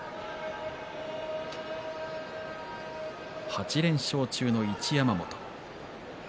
８連勝中の一山本。